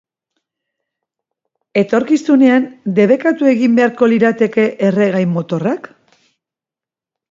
Etorkizunean debekatu egin beharko lirateke erregai-motorrak?